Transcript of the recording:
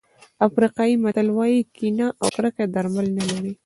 افریقایي متل وایي کینه او کرکه درمل نه لري.